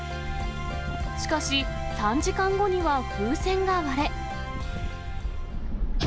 しかし、３時間後には風船が割れ。